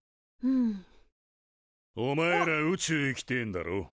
おまえら宇宙行きてえんだろ？